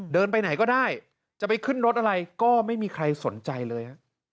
เดินไปไหนก็ได้จะไปขึ้นรถอะไรก็ไม่มีใครสนใจเลยฮะ